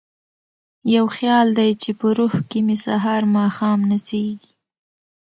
یو خیال دی چې په روح کې مې سهار ماښام نڅیږي